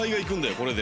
これで。